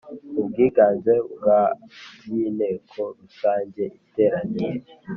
ubwiganze bwa by Inteko Rusange iteraniye